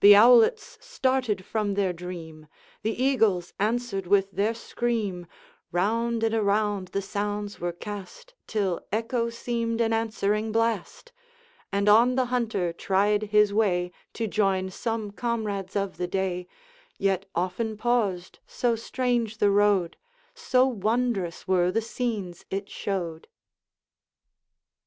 The owlets started from their dream, The eagles answered with their scream, Round and around the sounds were cast, Till echo seemed an answering blast; And on the Hunter tried his way, To join some comrades of the day, Yet often paused, so strange the road, So wondrous were the scenes it showed.